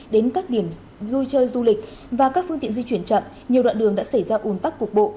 đến các điểm vui chơi du lịch và các phương tiện di chuyển chậm nhiều đoạn đường đã xảy ra ủn tắc cục bộ